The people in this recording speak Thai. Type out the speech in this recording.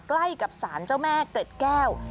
ใกล้กับสารเจ้าแม่เกร็ดแก้ว